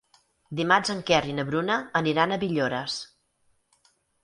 Dimarts en Quer i na Bruna aniran a Villores.